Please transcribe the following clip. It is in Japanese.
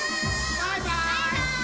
バイバーイ！